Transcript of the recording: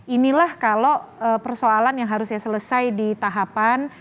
inilah kalau persoalan yang harusnya selesai di tahapan